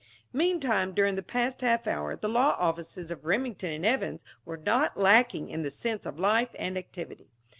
Meantime, during the past half hour, the law offices of Remington and Evans were not lacking in the sense of life and activity.